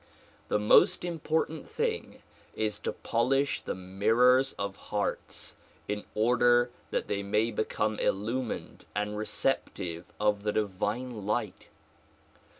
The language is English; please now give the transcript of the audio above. The most important thing is to polish the mirrors of hearts in order that they may become illumined and receptive of the divine light.